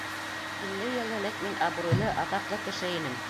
— Илле йыл элек мин абруйлы, атаҡлы кеше инем.